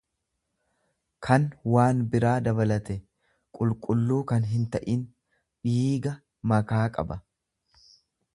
kan waan biraa dabalate, qulqulluu kan hinta'in; Dhiiga makaa qaba.